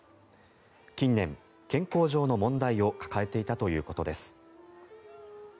近年、健康上の問題を抱えていたということです。